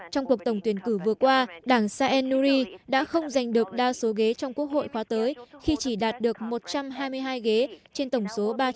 trong cuộc tổng tuyển cử vừa qua đảng sae nuri đã không giành được đa số ghế trong quốc hội khóa tới khi chỉ đạt được một trăm hai mươi hai đồng